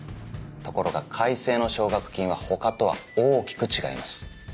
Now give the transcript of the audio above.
ところが開成の奨学金は他とは大きく違います。